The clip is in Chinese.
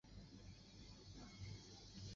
黄嘴河燕鸥为鸥科燕鸥属的鸟类。